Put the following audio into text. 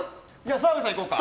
澤部さん、行こうか！